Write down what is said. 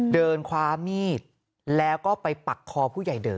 เดินคว้ามีดแล้วก็ไปปักคอผู้ใหญ่เดอ